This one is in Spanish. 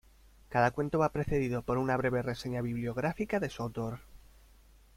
Cada cuento va precedido por una breve reseña bibliográfica de su autor.